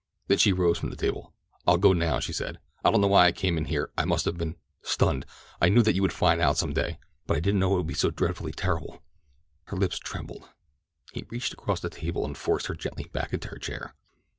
Then she rose from the table. "I'll go now," she said "I don't know why I came in here—I must have been—stunned. I knew that you would find out some day—but I didn't know that it would be so dreadfully terrible." Her lips trembled. He reached across the table and forced her gently back into her chair.